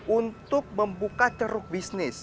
untuk membuka ceruk bisnis